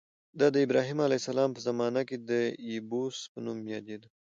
دا د ابراهیم علیه السلام په زمانه کې د یبوس په نوم یادېده.